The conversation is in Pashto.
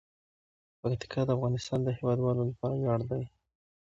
پکتیکا د افغانستان د هیوادوالو لپاره ویاړ دی.